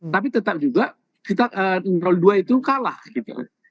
tapi tetap juga kita dua itu kalah gitu